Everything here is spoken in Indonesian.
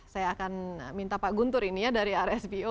saya akan minta pak guntur ini ya dari rspo